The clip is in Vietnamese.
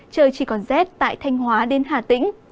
trời chỉ còn rét tại thanh hóa đến hà tĩnh